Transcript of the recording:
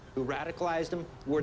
siapa yang meradikalisir mereka